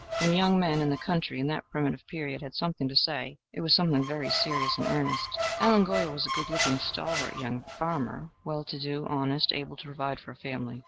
When young men in the country in that primitive period had something to say, it was something very serious and earnest. Allen Golyer was a good looking, stalwart young farmer, well to do, honest, able to provide for a family.